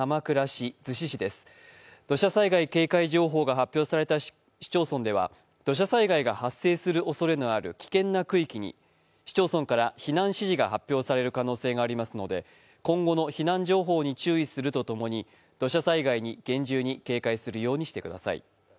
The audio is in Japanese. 土砂災害警戒情報が発表された市町村では土砂災害が発生するおそれのある危険な区域に市町村から避難指示が発表される可能性がありますので今後の避難情報に注意するとともに土砂災害に厳重に警戒するようにしてください。